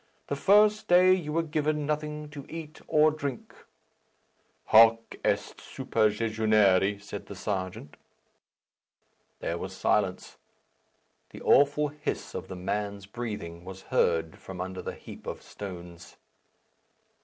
The first day you were given nothing to eat or drink." "Hoc est superjejunare," said the serjeant. There was silence, the awful hiss of the man's breathing was heard from under the heap of stones.